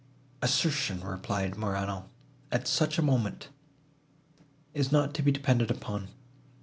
"Assertion," replied Morano, "at such a moment, is not to be depended upon.